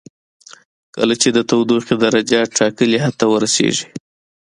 کله چې د تودوخې درجه ټاکلي حد ته ورسیږي.